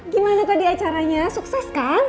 gimana tadi acaranya sukses kan